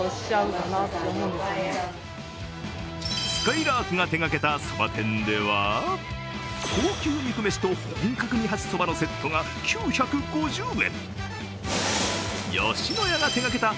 すかいらーくが手がけたそば店では高級肉飯と本格二八そばのセットが９５０円。